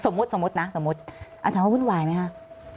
สมมุตินะสมมุติอาจารย์ว่าวุ่นวายไหมคะ